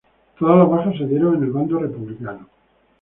Todas las bajas se dieron en el bando republicano.